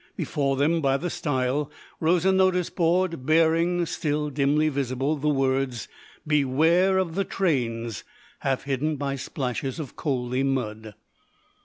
Before them, by the stile, rose a notice board, bearing, still dimly visible, the words, "BEWARE OF THE TRAINS," half hidden by splashes of coaly mud.